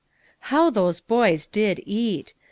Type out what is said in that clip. How those boys did eat